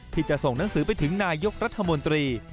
ที่จะส่งหนังสือไปถึงนายกรัฐมนตรี